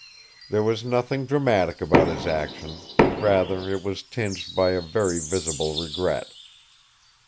There was nothing dramatic about his action. Rather it was tinged by very visible regret.